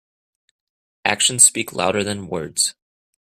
Actions speak louder than words.